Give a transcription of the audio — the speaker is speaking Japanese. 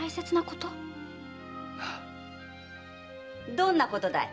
・どんなことだい？